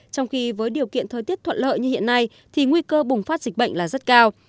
trong khi với điều kiện thời tiết thuận lợi như hiện nay thì nguy cơ bùng phát dịch bệnh là rất cao